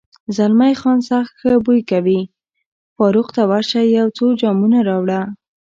زلمی خان: سخت ښه بوی کوي، فاروق، ته ورشه یو څو جامونه راوړه.